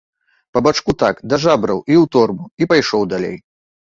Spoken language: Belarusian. Па бачку так, да жабраў, і ў торбу, і пайшоў далей.